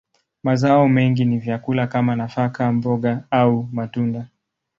Mazao mengi ni vyakula kama nafaka, mboga, au matunda.